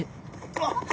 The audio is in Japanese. あっ。